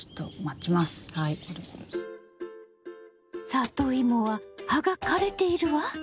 サトイモは葉が枯れているわ。